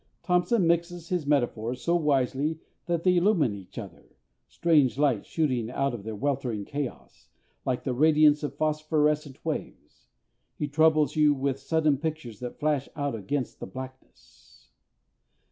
THOMPSON mixes his metaphors so wisely that they illumine each other, strange light shooting out of their weltering chaos, like the radiance of phosphorescent waves. He troubles you with sudden pictures that flash out against the blackness.